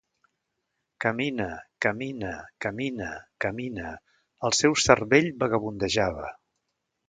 Camina, camina, camina, camina; el seu cervell vagabundejava.